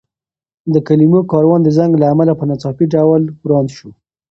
د کلمو کاروان د زنګ له امله په ناڅاپي ډول وران شو.